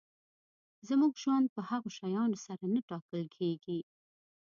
زموږ ژوند په هغو شیانو سره نه ټاکل کېږي.